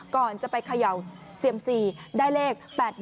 ก่อนจะไปเขย่าเซียมซีได้เลข๘๑